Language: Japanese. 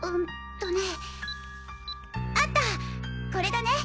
これだね！！